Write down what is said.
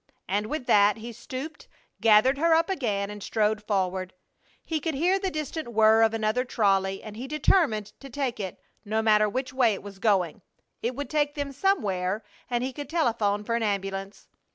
And with that he stooped, gathered her up again, and strode forward. He could hear the distant whir of another trolley, and he determined to take it, no matter which way it was going. It would take them somewhere and he could telephone for an ambulance.